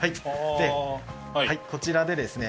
でこちらでですね